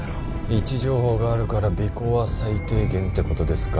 位置情報があるから尾行は最低限ってことですか